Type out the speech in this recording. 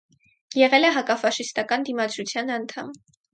Եղել է հակաֆաշիստական դիմադրության անդամ։